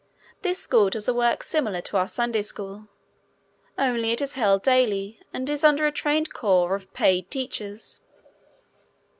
This school does a work similar to our Sunday school, only it is held daily and is under a trained corps of paid teachers.